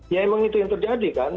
ya emang itu yang terjadi kan